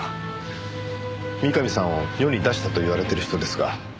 三上さんを世に出したと言われてる人ですが。